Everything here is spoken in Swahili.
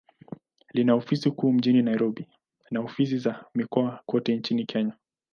Lina ofisi kuu mjini Nairobi, na ofisi za mikoa kote nchini Kenya.